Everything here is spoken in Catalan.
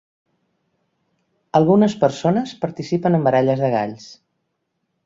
Algunes persones participen en baralles de galls.